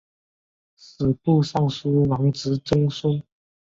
吏部尚书王直曾孙。